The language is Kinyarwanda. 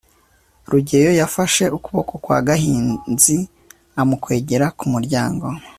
rugeyo yafashe ukuboko kwa gashinzi amukwegera ku muryango